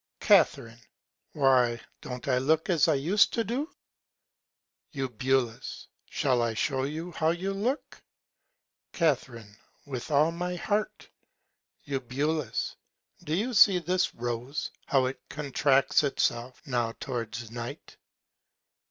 Ca. Why, don't I look as I use to do? Eu. Shall I show you how you look? Ca. With all my Heart. Eu. Do you see this Rose, how it contracts itself, now towards Night?